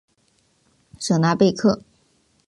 舍纳贝克。